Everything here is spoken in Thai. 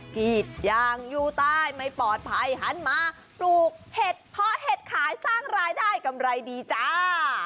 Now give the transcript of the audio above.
กีดยางอยู่ใต้ไม่ปลอดภัยหันมาปลูกเห็ดเพาะเห็ดขายสร้างรายได้กำไรดีจ้า